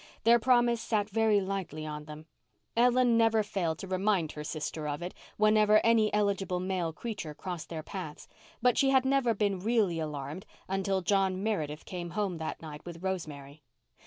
Their promise sat very lightly on them. Ellen never failed to remind her sister of it whenever any eligible male creature crossed their paths, but she had never been really alarmed until John Meredith came home that night with Rosemary.